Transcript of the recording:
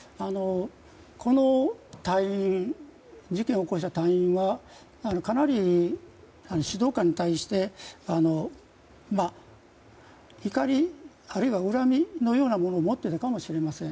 この隊員事件を起こした隊員はかなり指導官に対して、怒りあるいは恨みのようなものを持っていたかもしれません。